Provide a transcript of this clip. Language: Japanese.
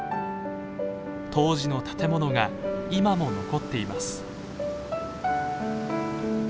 当時の建物が今も残っています。